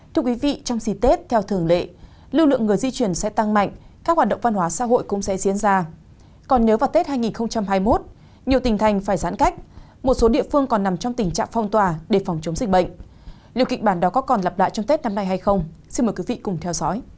thưa quý vị trong dịp tết theo thường lệ lưu lượng người di chuyển sẽ tăng mạnh các hoạt động văn hóa xã hội cũng sẽ diễn ra còn nếu vào tết hai nghìn hai mươi một nhiều tỉnh thành phải giãn cách một số địa phương còn nằm trong tình trạng phong tỏa để phòng chống dịch bệnh liệu kịch bản đó có còn lặp lại trong tết năm nay hay không xin mời quý vị cùng theo dõi